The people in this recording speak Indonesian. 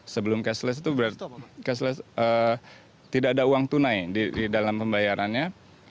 sebelum cashless itu berarti cashless tidak ada uang tunai di dalam pembayarannya